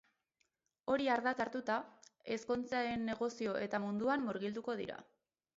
Hori ardatz hartuta, ezkontzen negozio eta munduan murgilduko dira.